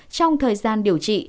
trong thời gian điều trị